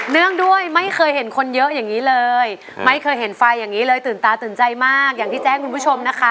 เนื่องด้วยไม่เคยเห็นคนเยอะอย่างนี้เลยไม่เคยเห็นไฟอย่างนี้เลยตื่นตาตื่นใจมากอย่างที่แจ้งคุณผู้ชมนะคะ